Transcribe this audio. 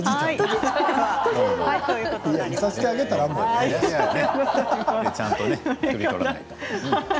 いさせてあげたら？